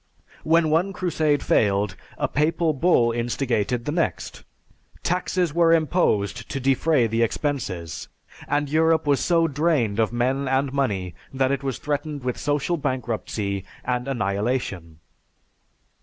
When one crusade failed, a papal bull instigated the next. Taxes were imposed to defray the expenses, and Europe was so drained of men and money that it was threatened with social bankruptcy and annihilation.